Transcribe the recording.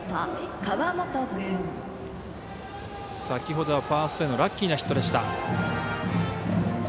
先ほどはファーストへのラッキーなヒットでした。